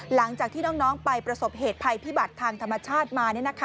หลังจากที่น้องไปประสบเหตุภัยพิบัติทางธรรมชาติมา